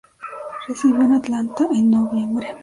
Recibió en Atlanta en Nov.